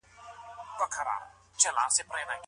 صبر د ژوند په ستونزو کې لارښوونه کوي.